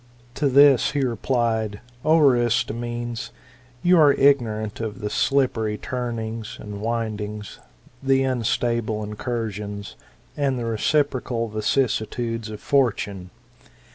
"To this he replied, O Aristomenes, you are ignorant of the slippery turnings and windings, the unstable incursions, and fhe reciprocal vicissitudes of Fortune.